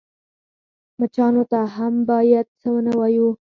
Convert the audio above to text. _مچانو ته هم بايد څه ونه وايو.